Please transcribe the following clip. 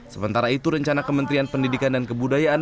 sementara itu rencana kementerian pendidikan dan kebudayaan